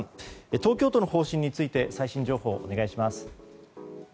東京都の方針について最新情報をお願いします。